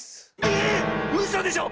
ええ⁉うそでしょ